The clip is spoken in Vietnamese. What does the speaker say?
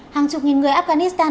hàng chục nghìn người afghanistan